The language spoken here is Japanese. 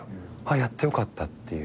やってよかったっていう。